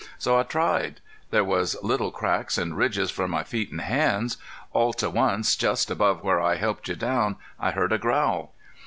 So I tried. There was little cracks an' ridges for my feet and hands. All to once, just above where I helped you down, I heard a growl.